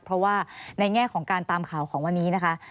เพราะว่าในแง่ของการตามข่าวของวันนี้นะคะ